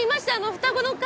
双子の回。